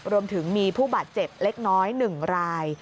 รวมถึงมีผู้บาดเจ็บเล็กน้อย๑ราย